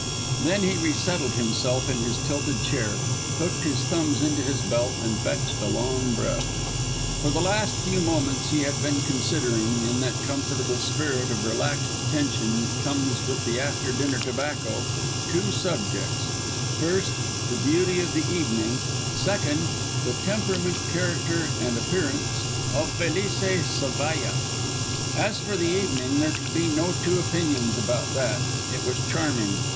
Then he resettled himself in his tilted chair, hooked his thumbs into his belt, and fetched a long breath. For the last few moments he had been considering, in that comfortable spirit of relaxed attention that comes with the after dinner tobacco, two subjects: first, the beauty of the evening; second, the temperament, character, and appearance of Felice Zavalla. As for the evening, there could be no two opinions about that. It was charming.